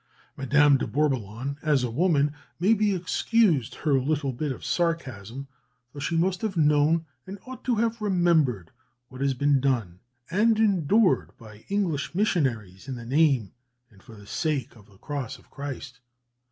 Madame de Bourboulon, as a woman, may be excused her little bit of sarcasm, though she must have known and ought to have remembered what has been done and endured by English missionaries in the name and for the sake of the cross of Christ.